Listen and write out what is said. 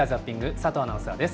佐藤アナウンサーです。